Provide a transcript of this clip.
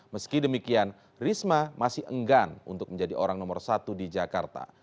meski demikian risma masih enggan untuk menjadi orang nomor satu di jakarta